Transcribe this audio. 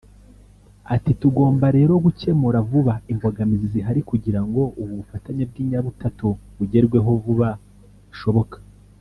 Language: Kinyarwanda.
Ati “Tugomba rero gukemura vuba imbogamizi zihari kugira ngo ubu bufatanye bw’inyabutatu bugerweho vuba bishoboka